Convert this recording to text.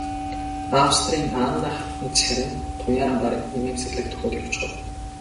Австрийн Анна хатны царай туяаран бараг инээмсэглэх дөхөөд явчихав.